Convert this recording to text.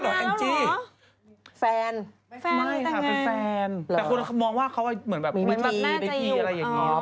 แต่คุณมองว่าเค้าเหมือนแบบมีพิธีอะไรอย่างนี้